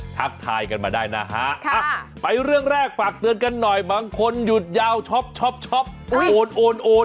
ทักทายกันมาได้นะฮะไปเรื่องแรกฝากเตือนกันหน่อยบางคนหยุดยาวช็อปโอนโอน